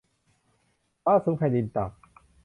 ฟ้าสูงแผ่นดินต่ำ